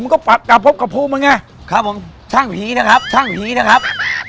มันก็ปัดกระพบกระพูมันไงครับผมช่างผีนะครับช่างผีนะครับ